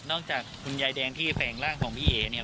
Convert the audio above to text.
นอกจากคุณยายแดงที่แฝงร่างของพี่เอ๋